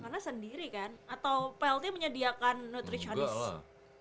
karena sendiri kan atau plt menyediakan nutritionist